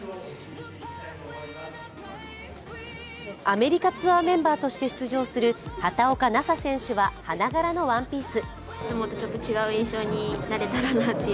アメリカツアーメンバーとして出場する畑岡奈紗選手は花柄のワンピース。